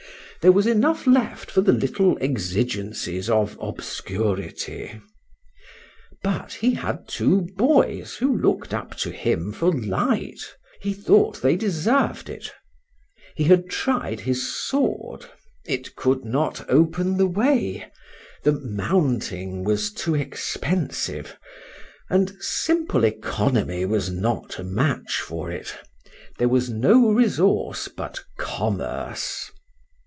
There was enough left for the little exigencies of obscurity.—But he had two boys who looked up to him for light;—he thought they deserved it. He had tried his sword—it could not open the way,—the mounting was too expensive,—and simple economy was not a match for it:—there was no resource but commerce.